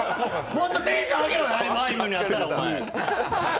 もっとテンション上げろや、あいみょんだったらお前。